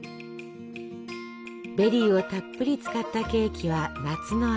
ベリーをたっぷり使ったケーキは夏の味。